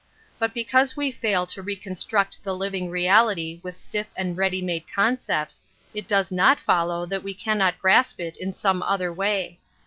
But because we fail to reconstruct the living reality with stiff and ready made concepts, it does not follow that we cannot grasp it in some other way.